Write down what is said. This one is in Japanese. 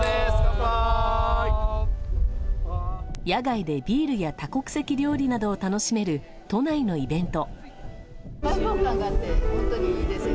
野外でビールや多国籍料理などを楽しめる、都内のイベント。